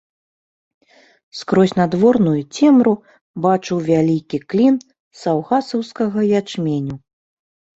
Скрозь надворную цемру бачыў вялікі клін саўгасаўскага ячменю.